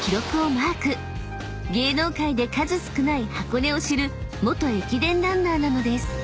［芸能界で数少ない箱根を知る元駅伝ランナーなのです］